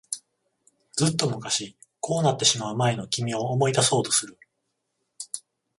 ずっと昔、こうなってしまう前の君を思い出そうとする。